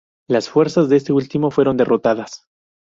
Las fuerzas de este último fueron derrotadas.